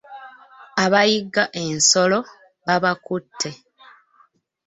Abayigga ensolo babakutte.